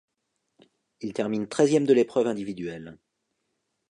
Il termine treizième de l'épreuve individuelle.